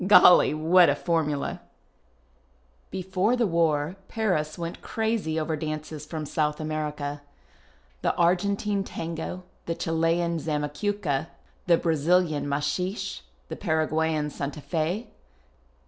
Golly, what a formula ! Before the war Paris went crazy over dances from South America : the Argentine fango, the Chilean zamacucca, the Brazilian incuiixc, tiie Paraguayan santafi.